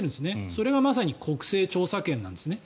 それがまさに国政調査権なんですね。